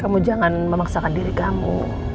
kamu jangan memaksakan diri kamu